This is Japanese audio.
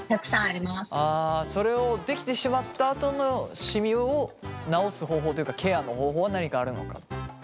あそれをできてしまったあとのシミを治す方法というかケアの方法は何かあるのかと。